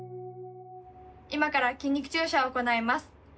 今から筋肉注射を行います。